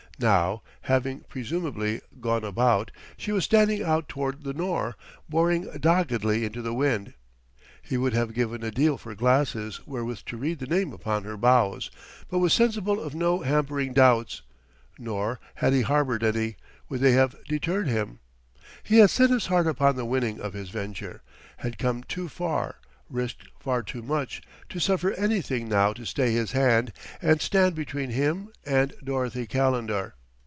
Now, having presumably, gone about, she was standing out toward the Nore, boring doggedly into the wind. He would have given a deal for glasses wherewith to read the name upon her bows, but was sensible of no hampering doubts; nor, had he harbored any, would they have deterred him. He had set his heart upon the winning of his venture, had come too far, risked far too much, to suffer anything now to stay his hand and stand between him and Dorothy Calendar.